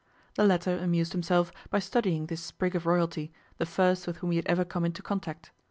The latter amused himself by studying this sprig of royalty, the first with whom he had ever come into contact.